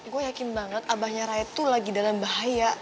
gue yakin banget abahnya raid tuh lagi dalam bahaya